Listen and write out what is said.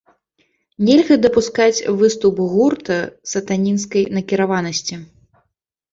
Нельга дапускаць выступ гурта сатанінскай накіраванасці.